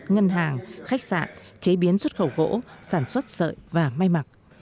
ngân hàng khách sạn chế biến xuất khẩu gỗ sản xuất sợi và may mặc